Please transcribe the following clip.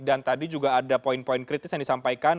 dan tadi juga ada poin poin kritis yang disampaikan